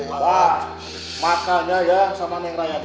makanya ya sama neng raya tuh jangan terlalu